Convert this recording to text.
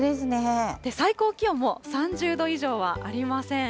最高気温も３０度以上はありません。